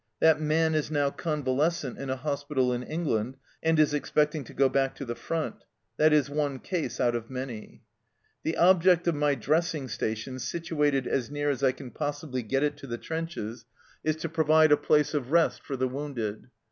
That man is now convalescent in a hospital in England, and is expecting to go back to the front. That is one case out of many. " The object of my dressing station, situated as near as I can possibly get it to the trenches, is to SHELLED OUT 223 provide a place of rest for the wounded.